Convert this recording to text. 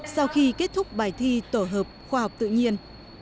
sau khi kết thúc bài thi tổ hợp khoa học tự nhiên